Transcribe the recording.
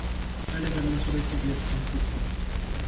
پہلے زمین سورج کے گرد گھومتی تھی۔